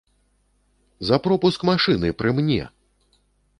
За пропуск машыны, пры мне!